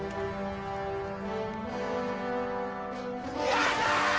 やったー！